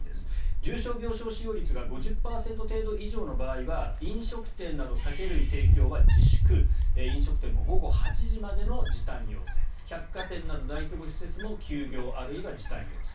重症病床使用率が５０％程度以上の場合は飲食店など酒類提供は自粛飲食店も午後８時までの時短要請百貨店など大規模施設も休業あるいは時短要請。